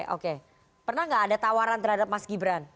oke pernah nggak ada tawaran terhadap mas gibran